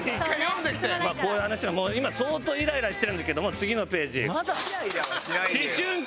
こういう話は今相当イライラしてるんですけども次のページ。まだ？